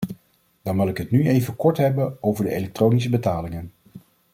Dan wil ik het nu even kort hebben over de elektronische betalingen.